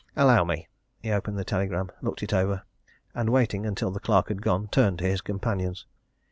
Allow me." He opened the telegram, looked it over, and waiting until the clerk had gone, turned to his companions.